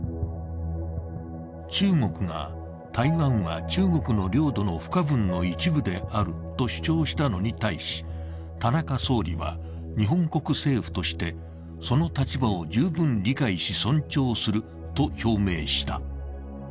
中国が台湾は中国の領土の不可分の一部であると主張したのに対し田中総理は、日本国政府としてその立場を十分理解し尊重すると表明した。